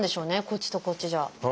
こっちとこっちじゃ。